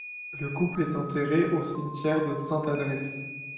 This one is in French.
Le couple est enterré au cimetière de Sainte-Adresse.